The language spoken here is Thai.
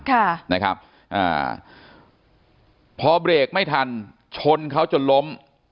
ค่ะนะครับอ่าพอเบรกไม่ทันชนเขาจนล้ม